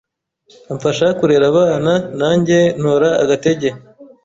amfasha kurera abana nange ntora agatege.